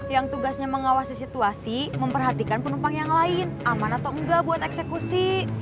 yang tugasnya mengawasi situasi memperhatikan penumpang yang lain aman atau enggak buat eksekusi